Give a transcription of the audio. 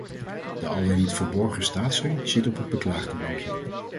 De al dan niet verborgen staatssteun zit op het beklaagdenbankje.